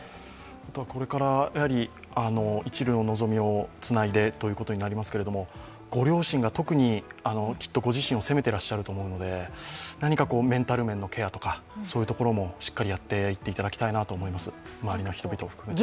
これからいちるの望みをつないでということになりますがご両親が特に、きっとご自身を責めていらっしゃると思うので、何かメンタル面のケアとかそういうところもしっかりやっていっていただきたいと思います、周りの人を含めて。